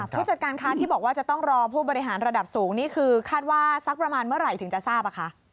ผู้จัดการค้าที่บอกว่าจะต้องรอผู้บริหารระดับสูงนี่คือคาดว่าสักประมาณเมื่อไหร่ถึงจะทราบ